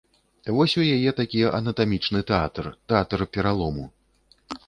Вось у яе такі анатамічны тэатр, тэатр пералому.